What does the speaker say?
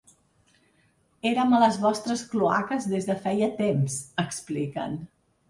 Erem a les vostres cloaques des de feia temps, expliquen.